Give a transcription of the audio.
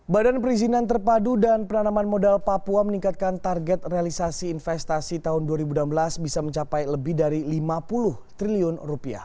badan perizinan terpadu dan penanaman modal papua meningkatkan target realisasi investasi tahun dua ribu enam belas bisa mencapai lebih dari rp lima puluh triliun